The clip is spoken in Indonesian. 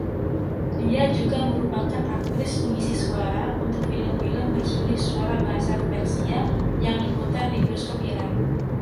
Dia juga merupakan aktris pengisi suara untuk film-film bersulih suara bahasa Persia yang diputar di bioskop Iran.